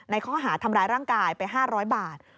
ข้อหาทำร้ายร่างกายไป๕๐๐บาท